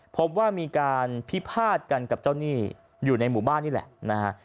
พบว่ามีการพิพาทกันกับเจ้าหนี้อยู่ในหมู่บ้านนี่แหละนะฮะ